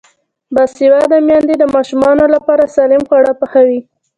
باسواده میندې د ماشومانو لپاره سالم خواړه پخوي.